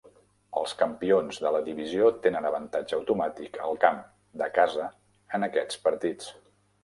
Els campions de la divisió tenen avantatge automàtic al camp de casa en aquests partits.